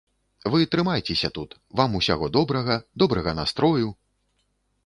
Вы трымайцеся тут, вам усяго добрага, добрага настрою!